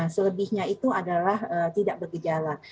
selebihnya itu adalah tidak bergejala